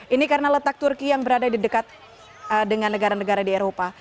ini karena letak turki yang berada di dekat dengan negara negara di eropa